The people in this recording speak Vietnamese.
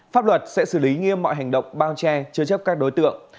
pháp luật sẽ xử lý nghiêm mọi hành động bao che chế chấp các đối tượng